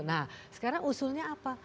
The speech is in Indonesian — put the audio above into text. nah sekarang usulnya apa